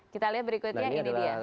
kita lihat berikutnya ini dia